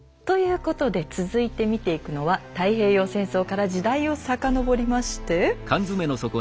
ということで続いて見ていくのは太平洋戦争から時代を遡りまして。